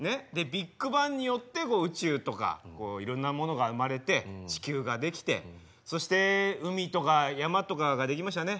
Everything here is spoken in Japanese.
ビッグバンによって宇宙とかいろんなものが生まれて地球が出来てそして海とか山とかが出来ましたね。